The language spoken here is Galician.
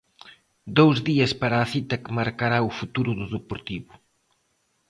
Dous días para a cita que marcará o futuro do Deportivo.